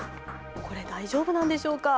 これ、大丈夫なんでしょうか。